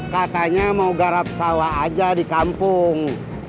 katanya mau garap sawah aja di kampung